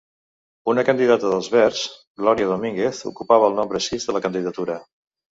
Una candidata d'Els Verds, Glòria Domínguez, ocupava el nombre sis de la candidatura.